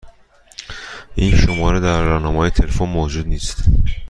این شماره در راهنمای تلفن موجود نیست.